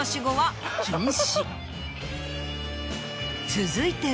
続いては。